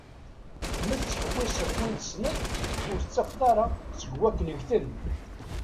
Ma tettḥewwiseḍ win tesneḍ ur tettafeḍ ara seg wakken gten.